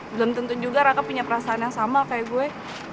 belum tentu juga raka punya perasaan yang sama kayak gue